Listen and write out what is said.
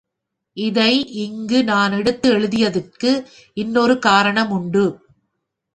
இதை இங்கு நான் எடுத்து எழுதியதற்கு இன்னொரு காரணமுண்டு.